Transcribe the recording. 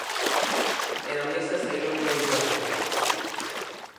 E na mesa saíron moito as dúbidas.